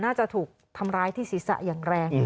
น่าจะถูกทำร้ายที่ศีรษะอย่างแรง